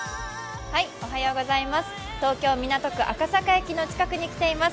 東京・港区赤坂駅の近くに来ています。